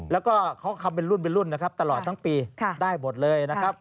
แล้วก็เขาทำเป็นรุ่นเป็นรุ่นนะครับตลอดทั้งปีได้หมดเลยนะครับ